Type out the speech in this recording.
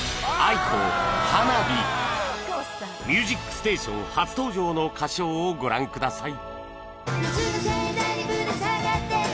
『ミュージックステーション』初登場の歌唱をご覧ください